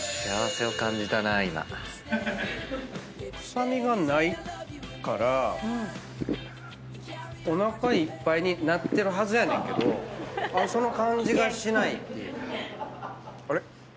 臭みがないからおなかいっぱいになってるはずやねんけどその感じがしないっていう。